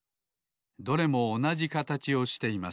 どれもおなじかたちをしています。